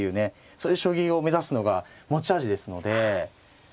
そういう将棋を目指すのが持ち味ですのでさあ